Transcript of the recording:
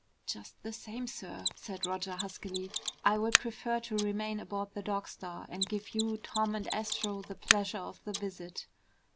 "Just the same, sir," said Roger huskily, "I would prefer to remain aboard the Dog Star and give you, Tom, and Astro the pleasure of the visit."